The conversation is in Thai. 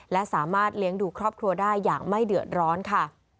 และสามารถเลี้ยงดูครอบครัวได้อย่างไม่เดือดร้อนค่ะ